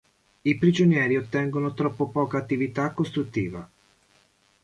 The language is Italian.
I prigionieri ottengono troppo poca attività costruttiva.